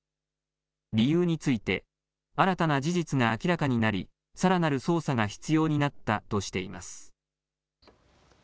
理由について新たな事実が明らかになり、さらなる捜査が必要になったとしています。